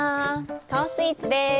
カオス・イーツです。